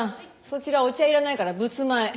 そちらお茶いらないから仏間へ。